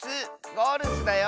ゴルスだよ！